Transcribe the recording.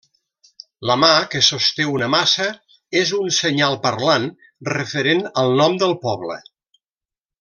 La mà que sosté una maça és un senyal parlant referent al nom del poble.